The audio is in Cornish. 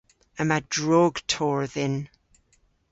Yma drog torr dhyn.